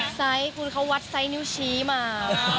ไซส์คุณเขาวัดไซส์นิ้วชี้มา